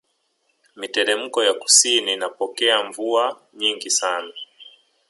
Miteremko ya kusini inapokea mvua nyingi sana